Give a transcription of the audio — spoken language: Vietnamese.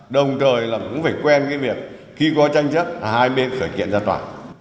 đồng thời là cũng phải quen cái việc khi có tranh chấp hai bên khởi kiện ra tòa